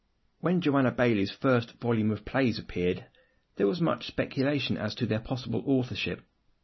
When Joanna Baillie's first volume of plays appeared, there was much speculation as to their possible authorship.